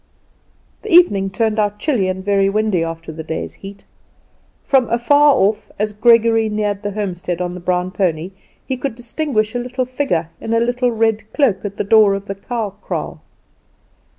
The evening turned out chilly and very windy after the day's heat. From afar off, as Gregory neared the homestead on the brown pony, he could distinguish a little figure in a little red cloak at the door of the cow kraal.